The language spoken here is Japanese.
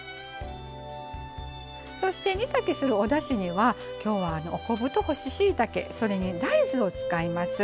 そして、煮炊きするおだしにはきょうは、お昆布と干ししいたけそれに大豆を使います。